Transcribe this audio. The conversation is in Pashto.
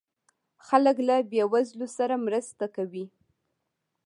خلک له بې وزلو سره مرسته کوي.